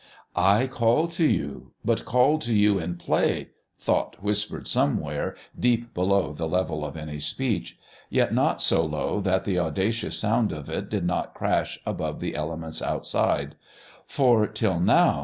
"I called to you ... but called to you in play," thought whispered somewhere deep below the level of any speech, yet not so low that the audacious sound of it did not crash above the elements outside; "for ... till now